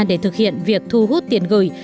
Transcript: để thực hiện việc thu hút tiền gửi